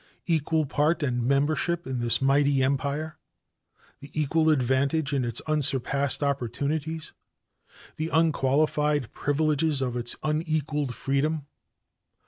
Equal part and membership in this mighty empire the equal advantage in its unsurpassed opportunities the unqualified privileges of its unequaled freedom.